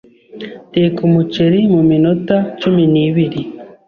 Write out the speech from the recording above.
Teka umuceri mu minota cumi nibiri